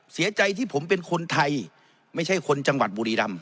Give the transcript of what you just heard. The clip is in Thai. เสียใจที่ผมเป็นคนไทยไม่ใช่คนจังหวัดบุรีรำ